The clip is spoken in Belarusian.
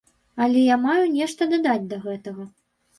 Але я маю нешта дадаць да гэтага.